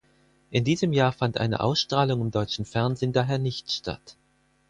In diesem Jahr fand eine Ausstrahlung im deutschen Fernsehen daher nicht statt.